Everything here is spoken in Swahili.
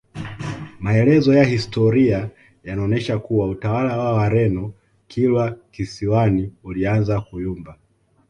Maelezo ya historia yanaonyesha kuwa utawala wa Wareno Kilwa kisiwani ulianza kuyumba